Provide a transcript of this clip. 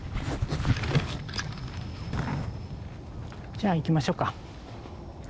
じゃあ行きましょうか。